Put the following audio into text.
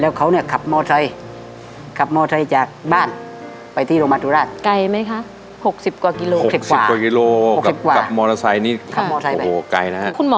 แล้วเขาเนี่ยขับมอเตยขับมอเตยจากบ้านไปที่โรงพยาบาลธุราช